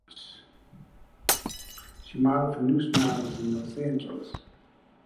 She modeled for Nous Models in Los Angeles.